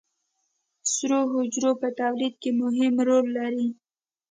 سرو حجرو په تولید کې مهم رول لري